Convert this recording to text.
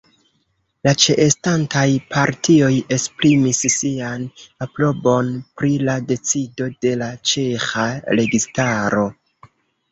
La ĉeestantaj partioj esprimis sian aprobon pri la decido de la ĉeĥa registaro.